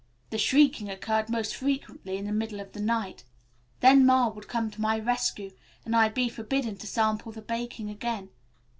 The shrieking occurred most frequently in the middle of the night. Then Ma would come to my rescue, and I'd be forbidden to sample the baking again.